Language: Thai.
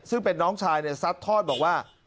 ซึ่งเป็นน้องชายซัดทอดบอกว่า